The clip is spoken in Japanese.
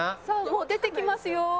「さあもう出てきますよ」